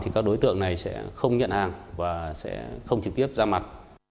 các đối tượng này sẽ không nhận hàng và sẽ không trực tiếp ra mặt